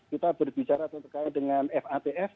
kita berbicara terkait dengan fatf